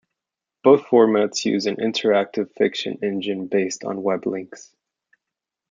Both formats use an interactive fiction engine based on weblinks.